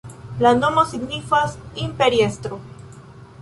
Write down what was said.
La nomo signifas imperiestro.